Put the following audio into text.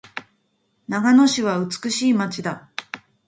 長野市は美しい街だ。